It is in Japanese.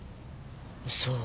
そう？